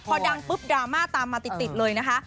พอดังปุ๊บดราม่าตามมาติดเลยนะคะ